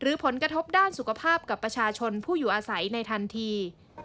ผลกระทบด้านสุขภาพกับประชาชนผู้อยู่อาศัยในทันที